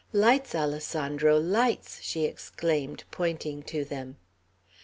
"Lights, Alessandro, lights!" she exclaimed, pointing to them.